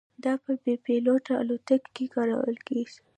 دا په بې پیلوټه الوتکو کې کارول کېږي.